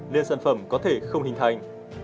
nên sản phẩm có thể không hình thành